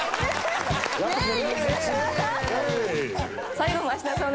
最後も芦田さん